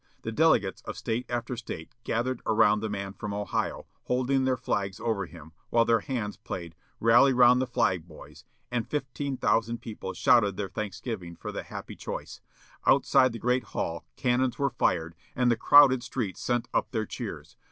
The delegates of State after State gathered around the man from Ohio, holding their flags over him, while the bands played, "Rally round the flag, boys," and fifteen thousand people shouted their thanksgiving for the happy choice. Outside the great hall, cannons were fired, and the crowded streets sent up their cheers.